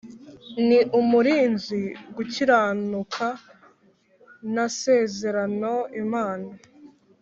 ni umurinzi gukiranuka nasezerano imana